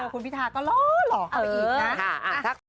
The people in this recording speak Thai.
คุณพิธาก็หล่อหล่อเข้าไปอีกนะ